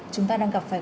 chúng ta đang gặp phải